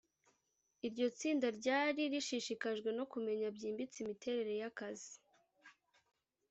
Iryo tsinda ryari rishishikajwe no kumenya byimbitse imiterere y’akazi